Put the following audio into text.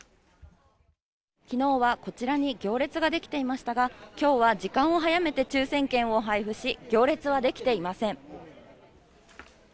昨日はこちらに行列ができていましたが、今日は時間を早めて抽選券を配布し、行列はできていません。